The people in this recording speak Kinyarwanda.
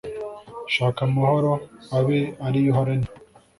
shaka amahoro, abe ari yo uharanira